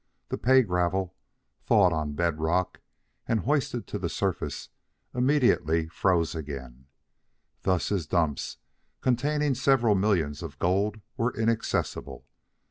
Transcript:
The pay gravel, thawed on bed rock and hoisted to the surface, immediately froze again. Thus his dumps, containing several millions of gold, were inaccessible.